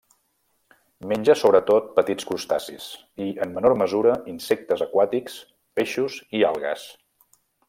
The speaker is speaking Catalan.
Menja sobretot petits crustacis i, en menor mesura, insectes aquàtics, peixos i algues.